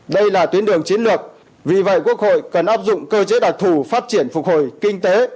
đây là tuyến đường chiến lược vì vậy quốc hội cần áp dụng cơ chế đặc thù phát triển phục hồi kinh tế